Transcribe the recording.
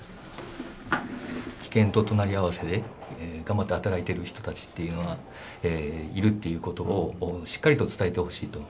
危険と隣り合わせで頑張って働いてる人たちっていうのがいるっていうことをしっかりと伝えてほしいと。